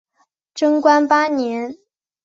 贞观八年。